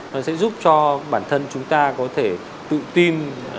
nó sẽ giúp cho bản thân chúng ta có thể tự tin